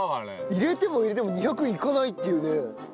入れても入れても２００いかないっていうね。